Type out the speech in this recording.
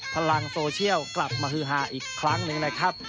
พลังโซเชียลกลับมาฮือฮาอีกครั้งหนึ่งนะครับ